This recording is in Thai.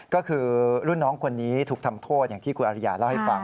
ก็คือรุ่นน้องคนนี้ถูกทำโทษอย่างที่คุณอริยาเล่าให้ฟัง